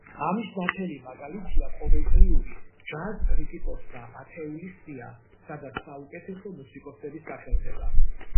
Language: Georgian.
ამის ნათელი მაგალითია ყოველწლიური ჯაზ კრიტიკოსთა ათეულის სია, სადაც საუკეთესო მუსიკოსები სახელდება.